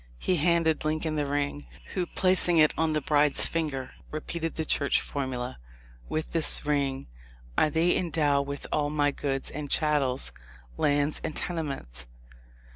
He handed Lincoln the ring, who. plac ing it on the bride's finger, repeated the Church formula, 'With this ring I thee endow with ail my goods and chattels, lands and tenements.'